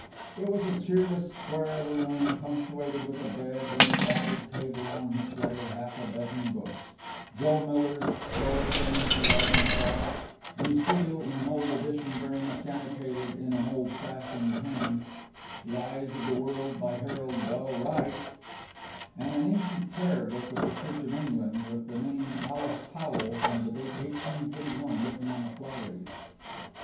It was a cheerless square of a room, punctuated with a bed and a battered table on which lay half a dozen books Joe Miller's "Slow Train thru Arkansas," "Lucille," in an old edition very much annotated in an old fashioned hand; "The Eyes of the World," by Harold Bell Wright, and an ancient prayer book of the Church of England with the name Alice Powell and the date 1831 written on the fly leaf.